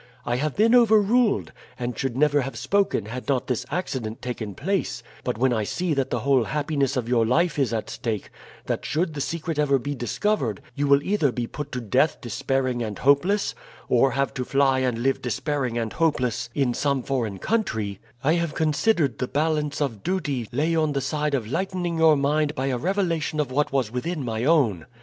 I have been overruled, and should never have spoken had not this accident taken place; but when I see that the whole happiness of your life is at stake, that should the secret ever be discovered you will either be put to death despairing and hopeless, or have to fly and live despairing and hopeless in some foreign country, I have considered that the balance of duty lay on the side of lightening your mind by a revelation of what was within my own.